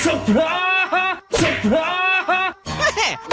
สะพร้าฮะ